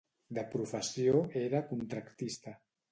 De professió era contractista.